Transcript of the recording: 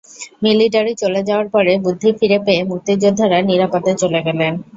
Military চলে যাওয়ার পরে বুদ্ধি ফিরে পেয়ে মুক্তিযোদ্ধারা নিরাপদে চলে গেলেন।